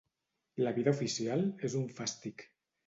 La vida oficial és un fàstic.